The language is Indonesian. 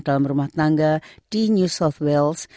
dalam rumah tangga di new south wales